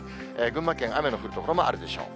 群馬県、雨の降る所もあるでしょう。